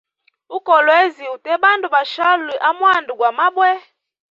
U kolwezi ute bandu bashali amwanda gwa mabwe.